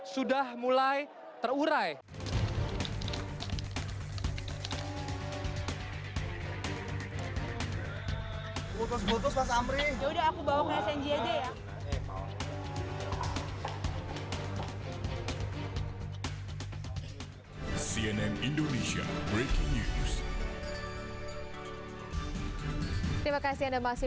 saluran berita terbaik